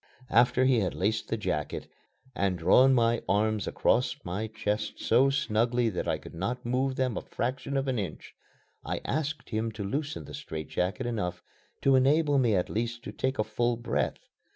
After he had laced the jacket, and drawn my arms across my chest so snugly that I could not move them a fraction of an inch, I asked him to loosen the strait jacket enough to enable me at least to take a full breath.